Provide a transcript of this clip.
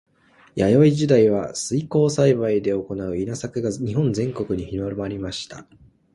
弥生時代は水耕栽培で行う稲作が日本全国に広まりました。